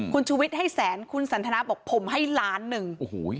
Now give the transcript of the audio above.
คุณชูวิทย์ให้แสนคุณสันทนาบอกผมให้ล้านหนึ่งโอ้โห